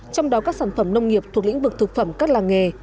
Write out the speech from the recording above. trong đó các sản phẩm nông nghiệp thuộc lĩnh vực thực phẩm các làng nghề